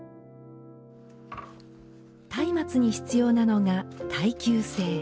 松明に必要なのが、耐久性。